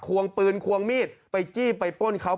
วงปืนควงมีดไปจี้ไปป้นเขา